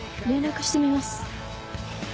連絡してみます。